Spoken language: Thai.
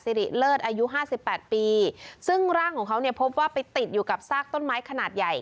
ริเลิศอายุห้าสิบแปดปีซึ่งร่างของเขาเนี่ยพบว่าไปติดอยู่กับซากต้นไม้ขนาดใหญ่